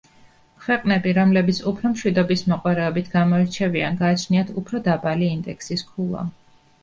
ქვეყნები, რომლებიც უფრო მშვიდობის მოყვარეობით გამოირჩევიან გააჩნიათ უფრო დაბალი ინდექსის ქულა.